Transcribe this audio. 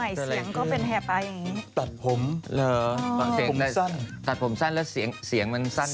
เสียงก็เป็นแห่ปลาอย่างนี้ตัดผมเหรอฟังเสียงผมสั้นตัดผมสั้นแล้วเสียงเสียงมันสั้น